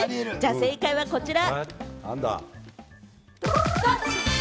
正解はこちら。